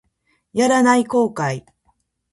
やらない後悔